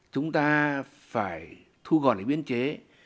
chúng ta phải thu gọn lại biến chế